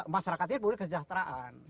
masyarakat ini perlu kesejahteraan